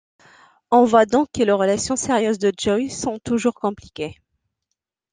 On voit donc que les relations sérieuses de Joey sont toujours compliquées.